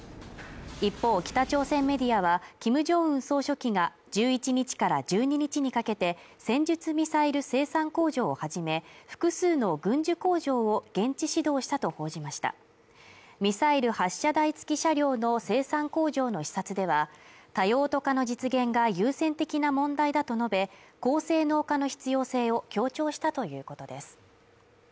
一方北朝鮮メディアはキム・ジョンウン総書記が１１日から１２日にかけて戦術ミサイル生産工場をはじめ複数の軍需工場を現地指導したと報じましたミサイル発射台付き車両の生産工場の視察では多用途化の実現が優先的な問題だと述べ高性能化の必要性を強調したということです